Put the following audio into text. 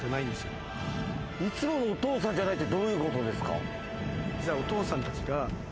いつものお父さんじゃないってどういうことですか？